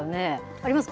ありますか？